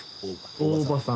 大場さん